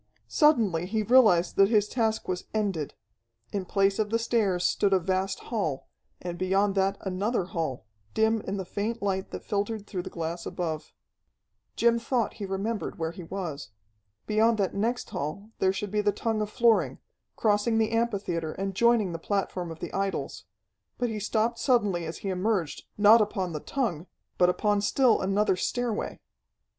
Suddenly he realized that his task was ended. In place of the stairs stood a vast hall, and beyond that another hall, dim in the faint light that filtered through the glass above. Jim thought he remembered where he was. Beyond that next hall there should be the tongue of flooring, crossing the amphitheatre and joining the platform of the idols. But he stopped suddenly as he emerged, not upon the tongue, but upon still another stairway.